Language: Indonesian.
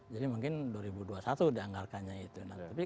jadi mungkin dua ribu dua puluh satu dianggarkannya itu